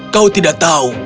kau tidak tahu